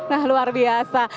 nah luar biasa